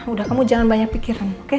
udah kamu jangan banyak pikirin oke